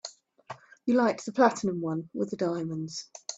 You liked the platinum one with the diamonds.